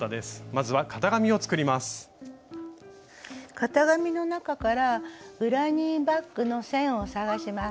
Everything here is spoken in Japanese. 型紙の中からグラニーバッグの線を探します。